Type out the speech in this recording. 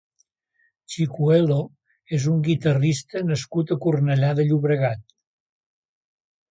Chicuelo és un guitarrista nascut a Cornellà de Llobregat.